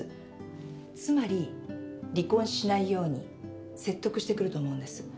つまり離婚しないように説得してくると思うんです。